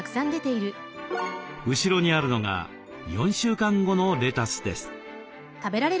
後ろにあるのが４週間後のレタスです。